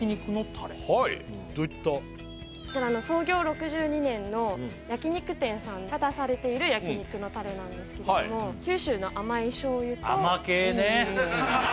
こちら創業６２年の焼肉店さんが出されている焼肉のタレなんですけれども九州の甘い醤油と甘系ね！